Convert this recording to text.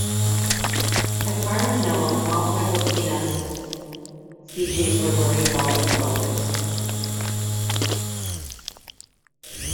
As far as known, all Phacopina species were marine bottom-dwellers.